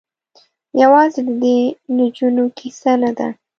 یوازې د دې نجونو کيسه نه ده.